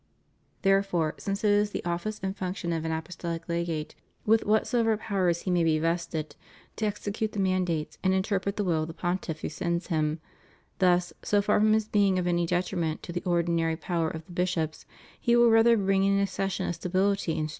^ Therefore, since it is the office and function of an apostolic legate, with whatsoever powers he may be vested, to execute the mandates and interpret the will of the Pontiff who sends him, thus, so far from his being of any detriment to the ordinary power of the bishops, he will rather bring an accession of stability and strength.